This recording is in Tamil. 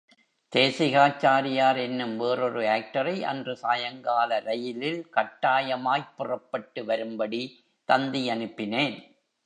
தேசிகாச்சாரியார் என்னும் வேறொரு ஆக்டரை, அன்று சாயங்கால ரயிலில் கட்டாயமாய்ப் புறப்பட்டு வரும்படி தந்தி அனுப்பினேன்.